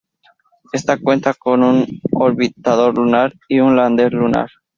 Esta cuenta con un orbitador lunar y un lander lunar.